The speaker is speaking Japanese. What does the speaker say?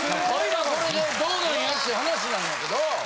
これでどうなんやっていう話なんやけど。